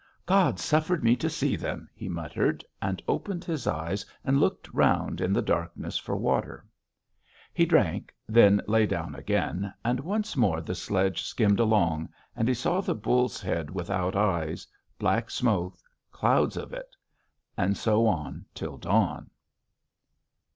"God suffered me to see them!" he muttered, and opened his eyes and looked round in the darkness for water. He drank, then lay down again, and once more the sledge skimmed along, and he saw the bull's head without eyes, black smoke, clouds of it. And so on till dawn.